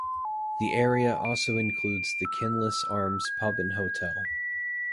The area also includes the Kenlis Arms pub and Hotel.